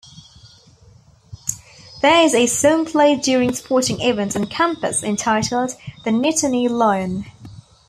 There is a song played during sporting events on campus entitled The Nittany Lion.